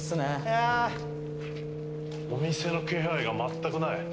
お店の気配が全くない。